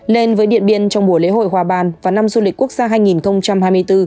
lên với điện biên trong buổi lễ hội hoa ban và năm du lịch quốc gia hai nghìn hai mươi bốn